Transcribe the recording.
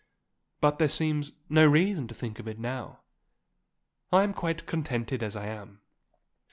But there seems no reason to think of it now. I am quite contented as I am."